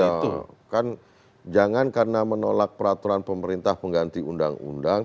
ya kan jangan karena menolak peraturan pemerintah pengganti undang undang